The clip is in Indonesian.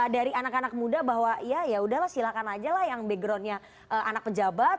dari anak anak muda bahwa ya sudah silahkan saja yang backgroundnya anak pejabat